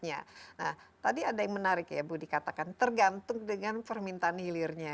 nah tadi ada yang menarik ya bu dikatakan tergantung dengan permintaan hilirnya